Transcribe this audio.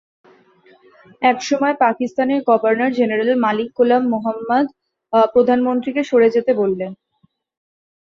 এসময় পাকিস্তানের governor general Malik Ghulam Muhammad প্রধানমন্ত্রীকে সরে যেতে বলেন।